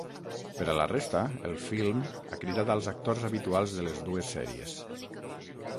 Per a la resta, el film ha cridat als actors habituals de les dues sèries.